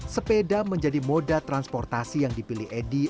sepeda menjadi moda transportasi yang dipilih edi